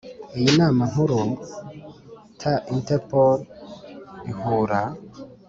Iyi nama nkuru ta Interpol ihura